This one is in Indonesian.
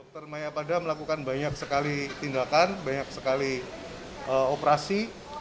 dr maya pada melakukan banyak sekali tindakan banyak sekali operasi